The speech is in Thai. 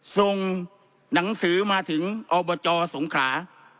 ส่งหนังสือมาถึงอบจสงขลา